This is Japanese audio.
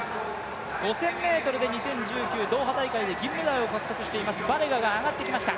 ５０００ｍで２０１９、ドーハ大会銀メダリストを獲得したバレガが上がってきました、